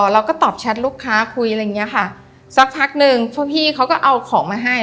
เราก็ตอบแชทลูกค้าคุยอะไรอย่างเงี้ยค่ะสักพักหนึ่งพวกพี่เขาก็เอาของมาให้